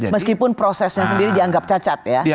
meskipun prosesnya sendiri dianggap cacat ya